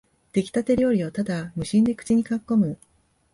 できたて料理をただ無心で口にかっこむ